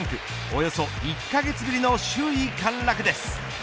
およそ１カ月ぶりの首位陥落です。